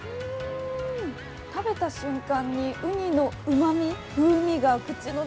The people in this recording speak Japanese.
食べた瞬間にうにのうまみ、風味が口の中